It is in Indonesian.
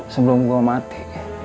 sebelum gue mati